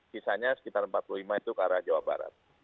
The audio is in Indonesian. sisanya sekitar empat puluh lima itu ke arah jawa barat